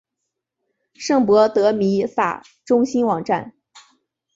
圣博德弥撒中心网站